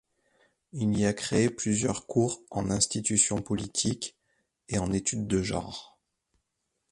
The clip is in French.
Il y a créé plusieurs cours en institutions politiques et en études de genre.